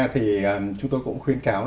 thì chúng tôi cũng khuyến cáo